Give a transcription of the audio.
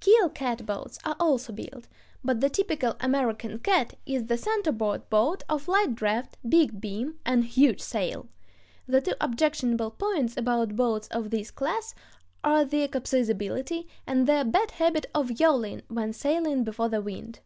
Keel catboats are also built, but the typical American "cat" is the center board boat of light draft, big beam, and huge sail. The two objectionable points about boats of this class are their capsizability, and their bad habit of yawing when sailing before the wind.